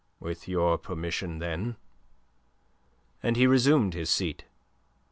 With your permission, then." And he resumed his seat.